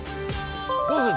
◆どうする？